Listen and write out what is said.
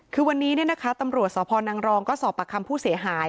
คือวันนี้ตำรวจสพนังรองก็สอบปากคำผู้เสียหาย